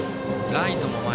ライトも前。